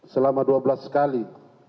selama dua belas sekali